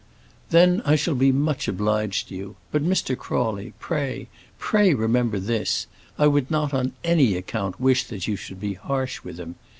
"Then I shall be much obliged to you. But, Mr. Crawley, pray pray, remember this: I would not on any account wish that you should be harsh with him.